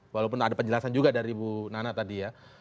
walaupun ada penjelasan juga dari bu nana tadi ya